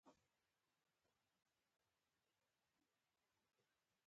د اسټاټین تر ټولو نادر غیر فلزي عنصر دی.